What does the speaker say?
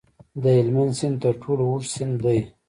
د هلمند سیند تر ټولو اوږد سیند دی